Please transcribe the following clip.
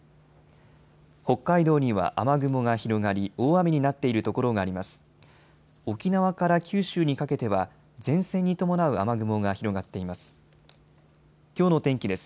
北海道には雨雲が広がり大雨になっているところがあります。